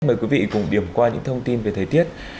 mời quý vị cùng điểm qua những thông tin về thời tiết